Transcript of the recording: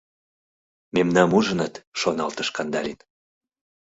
«Мемнам ужыныт, — шоналтыш Кандалин.